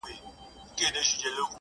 • په خزان او په بهار کي بیرته تله دي -